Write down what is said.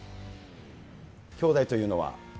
きょうだいというのは。